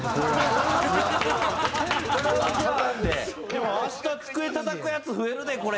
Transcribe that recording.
でも明日机叩くヤツ増えるでこれ。